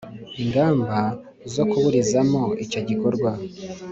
ingamba zo kuburizamo icyo gikorwa.